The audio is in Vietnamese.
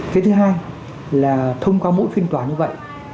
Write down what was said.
cái thứ hai là thông qua mỗi phiên tòa như vậy